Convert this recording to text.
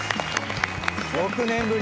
６年ぶり。